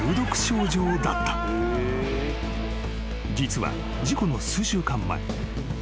［実は事故の数週間前］